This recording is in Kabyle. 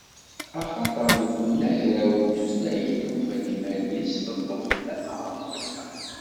Axaṭer deg unagraw n tutlayin, tufa-d iman-is teṭṭef tama n wadda.